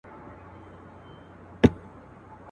زه به څرنگه دوږخ ته ور روان سم.